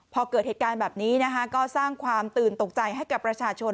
พอเกิดเหตุการณ์แบบนี้นะคะก็สร้างความตื่นตกใจให้กับประชาชน